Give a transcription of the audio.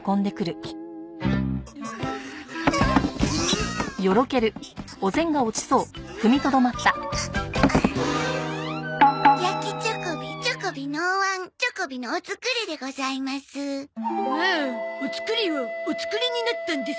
おおお造りをお作りになったんですな。